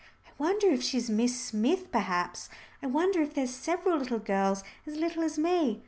I wonder if she's Miss Smith perhaps. I wonder if there's several little girls as little as me.